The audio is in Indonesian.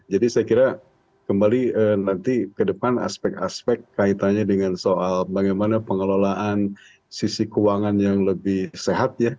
jadi saya kira kembali nanti ke depan aspek aspek kaitannya dengan soal bagaimana pengelolaan sisi keuangan yang lebih sehat ya